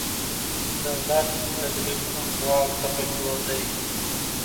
دولت له درې ګونو قواو څخه جوړ دی